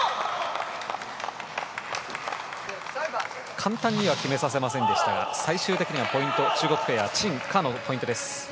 簡単には決めさせませんでしたが最終的にはポイント、中国ペアチン、カのポイントです。